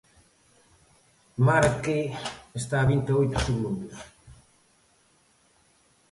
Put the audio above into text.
Marque está a vinte e oito segundos.